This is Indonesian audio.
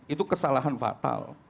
itu kesalahan fatal